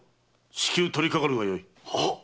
至急とりかかるがよい。ははっ。